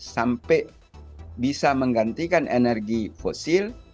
sampai bisa menggantikan energi fosil